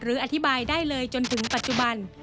อธิบายได้เลยจนถึงปัจจุบัน